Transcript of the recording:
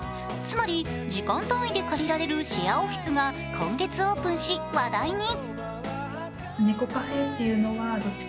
つまり時間単位で借りられるシェアオフィスが今月オープンし話題に。